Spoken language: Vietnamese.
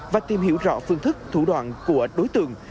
và tìm hiểu rõ phương thức thủ đoạn của đối tượng